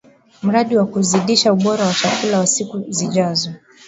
Mradi wa Kuzidisha Ubora wa Chakula cha Siku zijazo